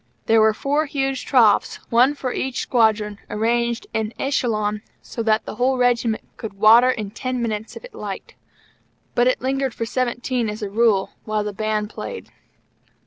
There were four huge troughs, one for each squadron, arranged en echelon, so that the whole Regiment could water in ten minutes if it liked. But it lingered for seventeen, as a rule, while the Band played.